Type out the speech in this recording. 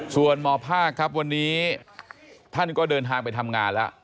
ส่วนหมอภาคครับวันนี้ท่านก็เดินทางไปทำงานแล้ว